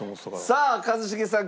さあ一茂さん